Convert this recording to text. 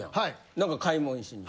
なんか買い物しに。